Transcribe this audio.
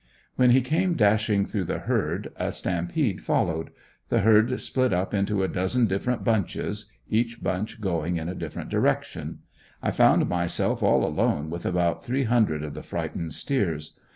When he came dashing through the herd a stampede followed; the herd split up into a dozen different bunches each bunch going in a different direction. I found myself all alone with about three hundred of the frightened steers.